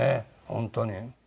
本当に。